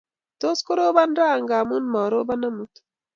Tos korobon raa ngamun marobon amut